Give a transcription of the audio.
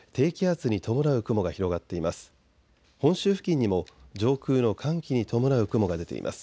北海道には低気圧に伴う雲が広がっています。